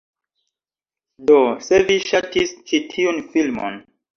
Do, se vi ŝatis ĉi tiun filmon